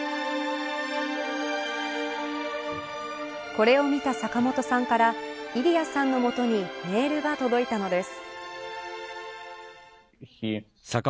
これを見た坂本さんからイリアさんの元にメールが届いたのです。